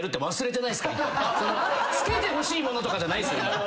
つけてほしいものとかじゃないっすよ？